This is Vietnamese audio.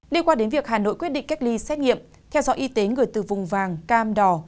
điều qua đến việc hà nội quyết định cách ly xét nghiệm theo dõi y tế người từ vùng vàng cam đỏ